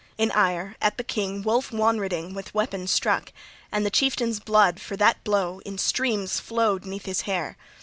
In ire, at the king Wulf Wonreding with weapon struck; and the chieftain's blood, for that blow, in streams flowed 'neath his hair.